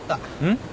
ん？